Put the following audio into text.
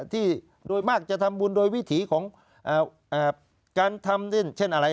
ที่โดยมากจะทำบุญโดยวิถีของการทำเช่นอะไร